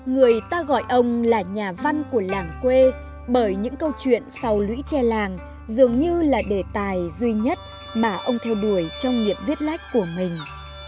người ta gọi ông là nhà văn của làng quê bởi những câu chuyện sau lũy che làng dường như là đề tài duy nhất mà ông theo đuổi trong nghiệp viết lách của mình